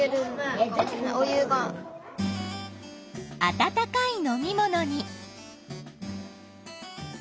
温かい飲み物に。